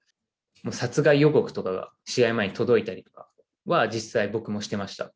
殺害予告とかが、試合前に届いたりとかは実際、僕もしてました。